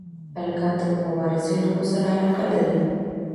هلکان تل د مبارزې لوبو سره علاقه لري.